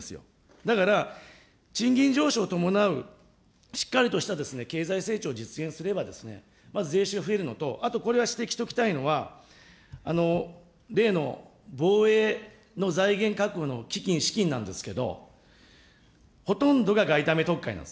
だから、賃金上昇を伴うしっかりとした経済成長を実現すれば、まず税収が増えるのと、あとこれは指摘しておきたいのは、例の防衛の財源確保の基金、資金なんですけど、ほとんどが外為特会なんです。